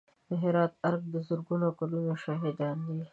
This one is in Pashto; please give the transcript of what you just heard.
د هرات ارګ د زرګونو کلونو شاهد دی.